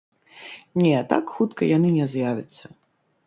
Не, так хутка яны не з'явяцца.